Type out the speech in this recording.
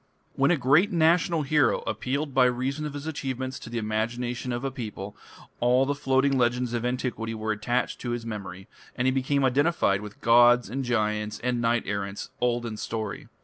When a great national hero appealed by reason of his achievements to the imagination of a people, all the floating legends of antiquity were attached to his memory, and he became identified with gods and giants and knight errants "old in story".